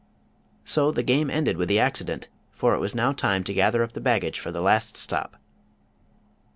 So the game ended with the accident, for it was now time to gather up the baggage for the last stop.